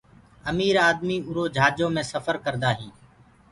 امير آدمي اُرآ جھآجو مي سڦر ڪرآ هينٚ۔